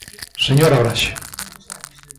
Señora Braxe.